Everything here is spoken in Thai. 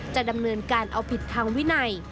จะดำเนินการเอาผิดทางวินัย